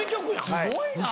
すごいな。